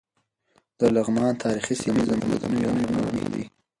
د لغمان تاریخي سیمې زموږ د تمدن ویاړونه دي.